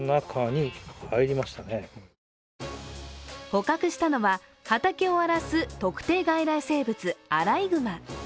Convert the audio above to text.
捕獲したのは畑を荒らす特定外来生物、アライグマ。